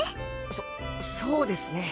そそうですね。